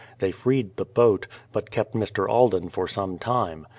They freed the boat, but kept Mr. Alden for some time.